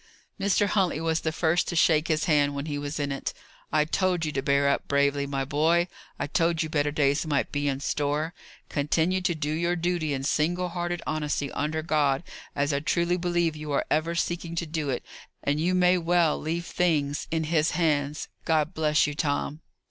Mr. Huntley was the first to shake his hand when he was in it. "I told you to bear up bravely, my boy! I told you better days might be in store. Continue to do your duty in single hearted honesty, under God, as I truly believe you are ever seeking to do it, and you may well leave things in His hands. God bless you, Tom!"